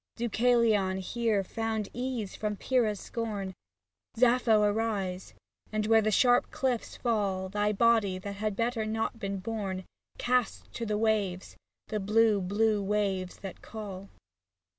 Deucalion here found ease from Pyrrah's scorn, Sappho arise, and where the sharp cliffs fall. Thy body, that had better not been born. Cast to the waves, the blue, blue waves that call.